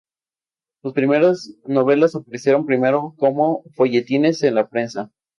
Sus primeras novelas aparecieron primero como folletines en la prensa.